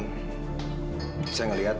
saya gak tahu apa yang saya lakukan